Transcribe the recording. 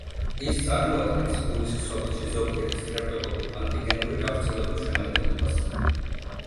ის წარმოადგენს, გულის ქსოვილში ზოგიერთ სტრეპტოკოკულ–ანტიგენური გავრცელებულ შემადგენლობას.